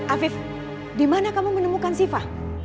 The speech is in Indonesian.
afif dimana kamu menemukan shiva